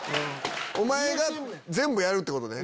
お前が全部やるってことね？